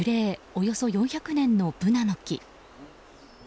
およそ４００年のブナの木。